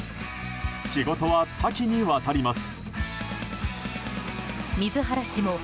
仕事は多岐にわたります。